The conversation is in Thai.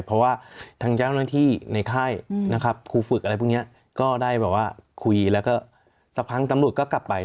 เพราะว่าทางเจ้าหน้าที่ในค่ายนะครับครูฝึกอะไรพวกนี้ก็ได้แบบว่าคุยแล้วก็สักพักตำรวจก็กลับไป